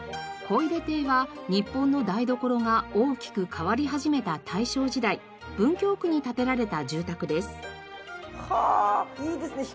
小出邸は日本の台所が大きく変わり始めた大正時代文京区に建てられた住宅です。